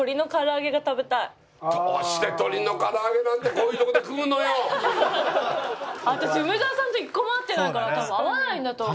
どうして私梅沢さんと一個も合ってないから多分合わないんだと思う。